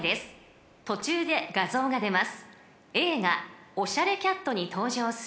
［途中で画像が出ます］